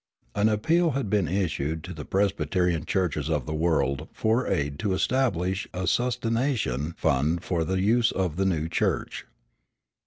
An appeal had been issued to the Presbyterian churches of the world for aid to establish a sustentation fund for the use of the new church.